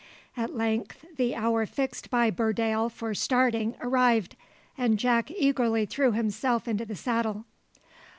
At length the hour fixed by Burdale for starting arrived, and Jack eagerly threw himself into the saddle.